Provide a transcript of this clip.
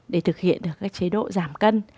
để thực hiện được chế độ giảm cân